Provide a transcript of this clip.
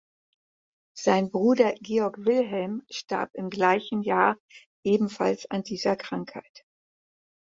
Sein Bruder "Georg Wilhelm" starb im gleichen Jahr ebenfalls an dieser Krankheit.